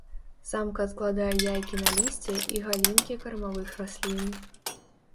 Самка адкладае яйкі на лісце і галінкі кармавых раслін.